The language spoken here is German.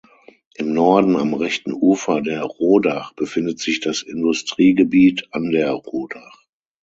Im Norden am rechten Ufer der Rodach befindet sich das Industriegebiet An der Rodach.